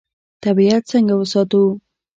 طبیعت څنګه وساتو؟